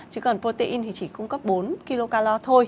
chứ còn protein thì chỉ cung cấp bốn kilocalor thôi